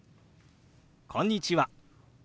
「こんにちは」。